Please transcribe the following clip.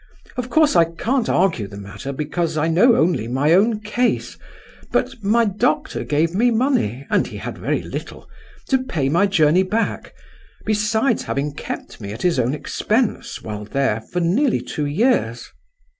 "Of course I can't argue the matter, because I know only my own case; but my doctor gave me money—and he had very little—to pay my journey back, besides having kept me at his own expense, while there, for nearly two years."